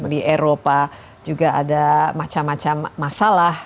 di eropa juga ada macam macam masalah